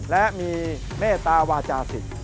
และมีเมตตาวาจาศิษย์